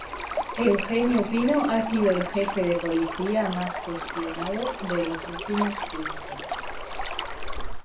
Eugenio Pino ha sido el jefe de Policía más cuestionado de los últimos tiempos.